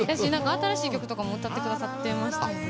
新しい曲とかも歌ってくださいましたよね。